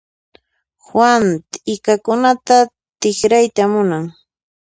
Juan t'ikakunata t'irayta munan.